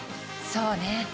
そうね。